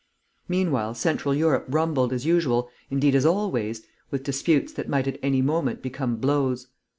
Meanwhile Central Europe rumbled, as usual, indeed as always, with disputes that might at any moment become blows.